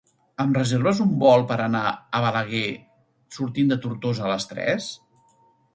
Em reserves un Bolt per anar a Balaguer sortint de Tortosa a les tres?